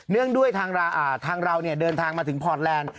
เนื่องด้วยทางเราเนี่ยเดินทางมาถึงพอร์ตแลนด์